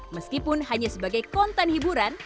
meskipun hanya sebagai konten hiburan